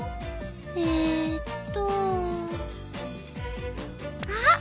えっとあっ！